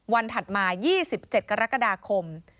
ถัดมา๒๗กรกฎาคม